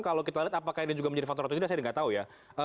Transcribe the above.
kalau kita lihat apakah ini juga menjadi faktor atau tidak saya tidak tahu ya